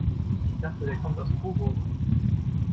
Ich dachte, der kommt aus Coburg?